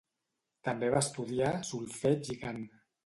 També va estudiar solfeig i cant.